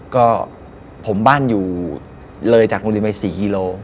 ก็ผมบ้านอยู่เลยจากโรงเรียนไป๔กิโล